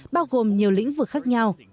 bao gồm nhiều lĩnh vực khác nhau